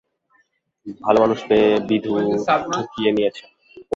ভালোমানুষ পেয়ে বিধু ঠকিয়ে নিয়েচে।